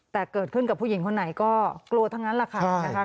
แต่เกิดขึ้นกับผู้หญิงคนไหนก็กลัวทั้งนั้นแหละค่ะนะคะ